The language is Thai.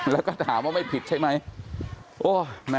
แล้วก็ถามว่าไม่ผิดใช่ไหม